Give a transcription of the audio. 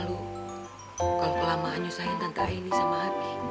udah cucian kami numpuk